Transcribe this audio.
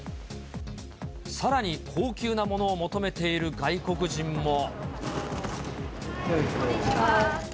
さらに、高級なものを求めている外国人も。